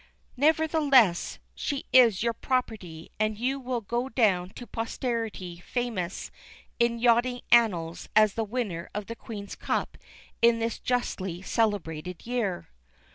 "Nevertheless she is your property, and you will go down to posterity famous in yachting annals as the winner of the Queen's Cup in this justly celebrated year."